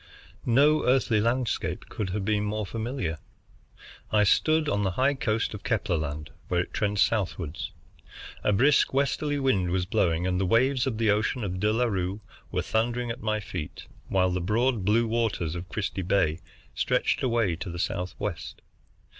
No earthly landscape could have been more familiar. I stood on the high coast of Kepler Land where it trends southward. A brisk westerly wind was blowing and the waves of the ocean of De La Bue were thundering at my feet, while the broad blue waters of Christie Bay stretched away to the southwest.